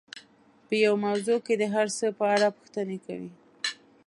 په يوه موضوع کې د هر څه په اړه پوښتنې کوي.